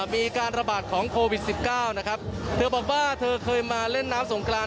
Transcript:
มีการระบาดของโควิดสิบเก้านะครับเธอบอกว่าเธอเคยมาเล่นน้ำสงกราน